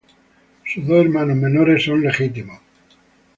Sus dos hermanos menores son legítimos.